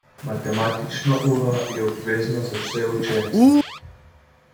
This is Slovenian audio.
Matematična ura je obvezna za vse učence.